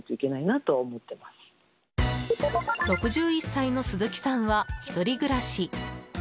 ６１歳の鈴木さんは１人暮らし。